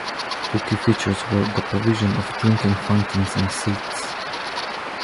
Two key features were the provision of drinking fountains and seats.